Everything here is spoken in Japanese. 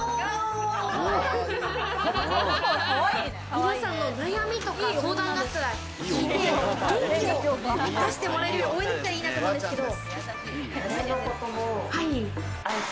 皆さんの悩みとか相談があったら元気を出してもらえるよう応援できたらいいなと思うんですけど。